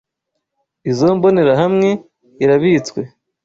Izoi mbonerahamwe irabitswe.